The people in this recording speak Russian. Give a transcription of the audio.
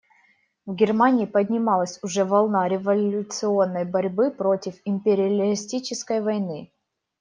В Германии поднималась уже волна революционной борьбы против империалистической войны.